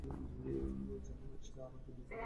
যেন ও আরও বেশি বিনিয়োগ করে।